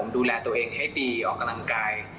ดูแลตัวเองให้ดีออกกำลังกาย